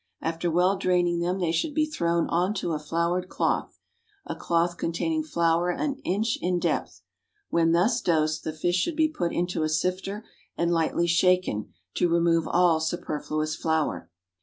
After well draining them they should be thrown on to a floured cloth a cloth containing flour an inch in depth. When thus dosed, the fish should be put into a sifter and lightly shaken to remove all superfluous flour.